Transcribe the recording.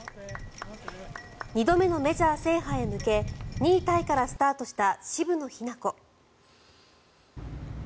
２度目のメジャー制覇へ向け２位タイからスタートした渋野日向子。